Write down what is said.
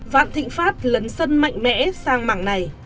vạn thịnh pháp lấn sân mạnh mẽ sang mảng này